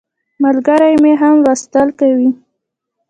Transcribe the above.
ملګری مې هم لوستل کوي.